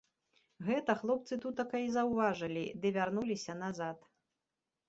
Гэта хлопцы тутака й заўважылі ды вярнуліся назад.